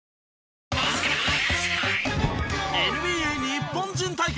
ＮＢＡ日本人対決！